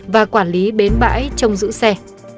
và quản lý bến bãi trong giữ xe